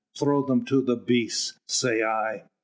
Throw them to the beasts, say I!...